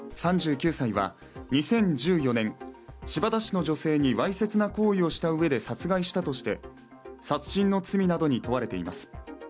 ３９歳は２０１４年、新発田市の女性にわいせつな行為をしたうえで殺害したとして、殺人の罪などに問われています。